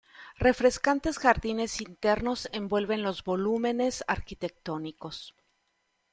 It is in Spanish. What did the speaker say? Refrescantes jardines internos envuelven los volúmenes arquitectónicos.